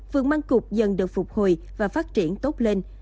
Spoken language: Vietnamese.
vườn măng cục dần được phục hồi và phát triển tốt lên